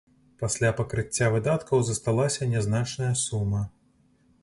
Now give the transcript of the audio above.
Пасля пакрыцця выдаткаў засталася нязначная сума.